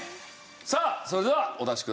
さあそれではお出しください。